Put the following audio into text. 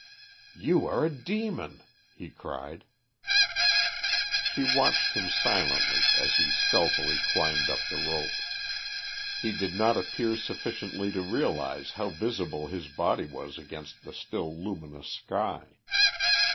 "You are a demon," he cried. She watched him silently as he stealthily climbed up the rope. He did not appear sufficiently to realise how visible his body was against the still luminous sky.